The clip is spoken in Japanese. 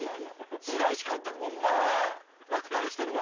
白石監督もまぁ落胆してるわ。